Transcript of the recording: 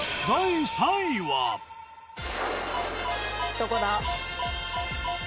「どこだ？」